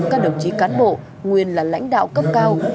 các đồng chí cán bộ nguyên là lãnh đạo cấp cao